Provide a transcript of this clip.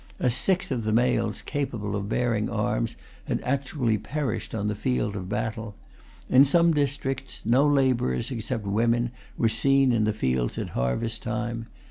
A sixth of the males capable of bearing arms had actually perished on the field of battle. In some districts, no laborers, except women, were seen in the fields at harvest time.